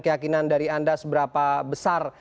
keyakinan dari anda seberapa besar